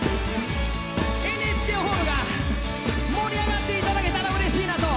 ＮＨＫホールが盛り上がっていただけたらうれしいなと。